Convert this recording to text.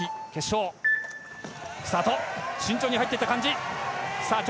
スタート慎重に入っていった感じさあ